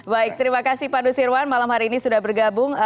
baik terima kasih pak nusirwan malam hari ini sudah bergabung